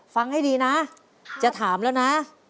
ฟังให้ดีนะจะถามแล้วนะ